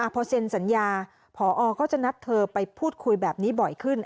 พอเซ็นสัญญาผอก็จะนัดเธอไปพูดคุยแบบนี้บ่อยขึ้น